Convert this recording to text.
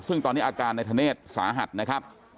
ซึ่งตอนนี้อาการนายธเนธสาหัสนะครับ